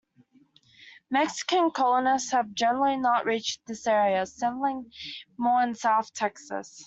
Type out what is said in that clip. Mexican colonists had generally not reached this area, settling more in south Texas.